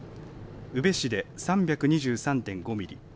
宇部市で３２３．５ミリ